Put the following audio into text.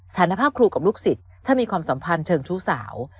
สารภาพครูกับลูกศิษย์ถ้ามีความสัมพันธ์เชิงชู้สาว